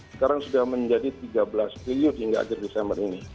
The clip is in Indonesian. sekarang sudah menjadi tiga belas triliun hingga akhir desember ini